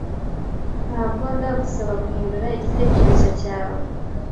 Ntabwo ndagusaba guhindura igitekerezo cyawe.